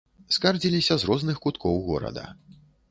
Скардзіліся з розных куткоў горада.